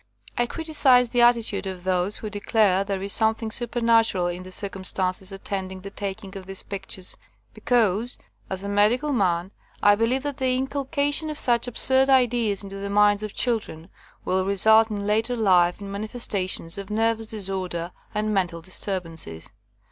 I criticize the attitude of those who declared there is something super natural in the circumstances attending the taking of these pictures because, as a medi cal man, I believe that the inculcation of such absurd ideas into the minds of children will result in later life in manifestations of nervous disorder and mental disturbances.